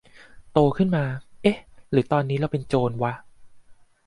โตขึ้นมา เอ๊ะ หรือตอนนี้เราเป็นโจรวะ ?